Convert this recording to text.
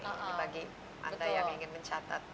ini bagi anda yang ingin mencatat